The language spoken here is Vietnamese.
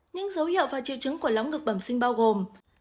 những dấu hiệu và triệu chứng của lóng ngực bẩm sinh bao gồm